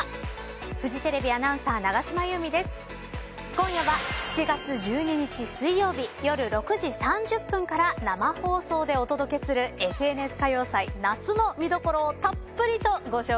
今夜は７月１２日水曜日夜６時３０分から生放送でお届けする『ＦＮＳ歌謡祭夏』の見どころをたっぷりとご紹介いたします。